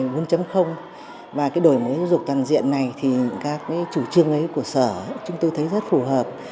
bốn và cái đổi mối hướng tầm diện này thì các cái chủ trương ấy của sở chúng tôi thấy rất phù hợp